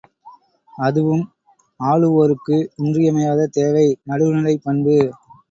அதுவும் ஆளுவோருக்கு இன்றியமையாத தேவை நடுவுநிலைப்பண்பு.